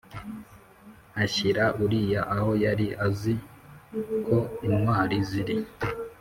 ashyira Uriya aho yari azi ko intwari ziri.